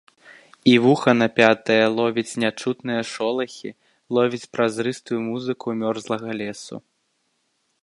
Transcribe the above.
І вуха напятае ловіць нячутныя шолахі, ловіць празрыстую музыку мёрзлага лесу.